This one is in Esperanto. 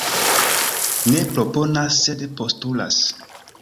Ne proponas sed postulas.